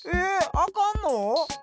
あかんの！？